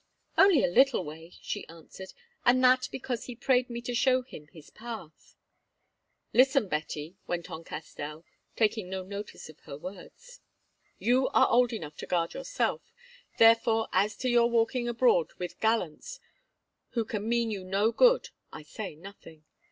"Only a little way," she answered, "and that because he prayed me to show him his path." "Listen, Betty," went on Castell, taking no notice of her words. "You are old enough to guard yourself, therefore as to your walking abroad with gallants who can mean you no good I say nothing.